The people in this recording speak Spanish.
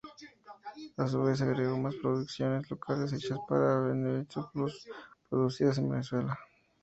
A su vez, agregó más producciones locales hechas para Venevisión Plus, producidas en Venezuela.